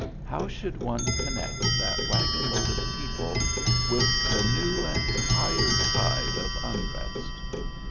How should one connect that wagonload of people with the new and higher tide of unrest